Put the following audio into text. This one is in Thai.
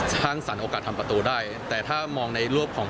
สร้างสรรค์โอกาสทำประตูได้แต่ถ้ามองในรวบของ